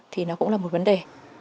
thì nó cũng là một vấn đề